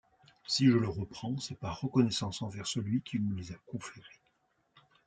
Si je le reprends, c'est par reconnaissance envers Celui qui me les a conférées.